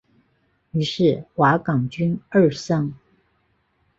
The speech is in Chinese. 于是瓦岗军日盛。